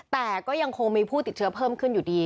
แต่ก็ยังคงมีผู้ติดเชื้อเพิ่มขึ้นอยู่ดี